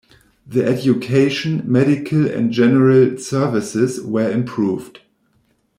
The education, medical and general services were improved.